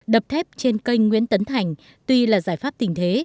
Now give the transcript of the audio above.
đập thép trên cây nguyễn tấn thành tuy là giải pháp tình thế